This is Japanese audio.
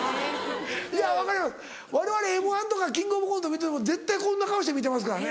いや分かるわれわれ『Ｍ−１』とか『キングオブコント』見てても絶対こんな顔して見てますからね。